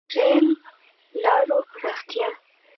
• د رېل لارو پراختیا.